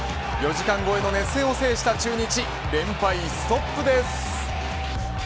４時間超えの熱戦を制した中日連敗ストップです。